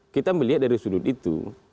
kita melihat dari sudut itu